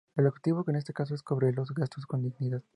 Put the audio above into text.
El objetivo en este caso es cubrir los gastos con dignidad.